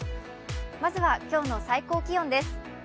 まずは今日の最高気温です。